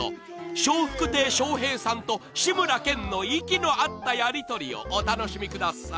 ［笑福亭笑瓶さんと志村けんの息の合ったやりとりをお楽しみください］